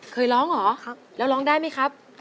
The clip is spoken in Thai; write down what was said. เคยร้องเหรอแล้วร้องได้ไหมครับ